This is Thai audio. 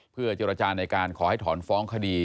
เพื่อเจรจาในการขอให้ถอนฟ้องคดี